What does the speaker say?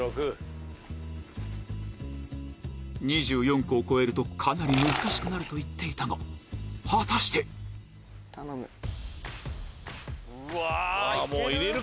２４個を超えるとかなり難しくなると言っていたが果たして⁉うわいける？